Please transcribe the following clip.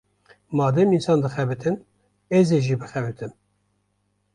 Madem însan dixebitin, ez ê jî bixebitim.